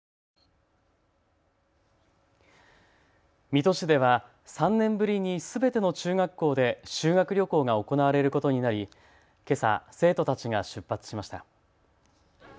水戸市では３年ぶりにすべての中学校で修学旅行が行われることになり、けさ生徒たちが出発しました。